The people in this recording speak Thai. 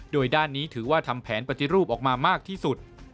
โดยด้านนี้ถือว่าทำแผนปฏิรูปออกมามากที่สุด